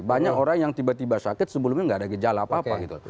banyak orang yang tiba tiba sakit sebelumnya nggak ada gejala apa apa gitu